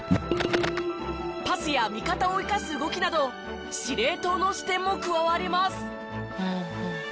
パスや味方を生かす動きなど司令塔の視点も加わります。